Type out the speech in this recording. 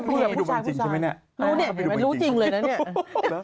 ปุ๊บภูเกสั่งบนจริงใช่ไหมเนี่ยรู้เนี่ยรู้จริงเลยนะเนี่ย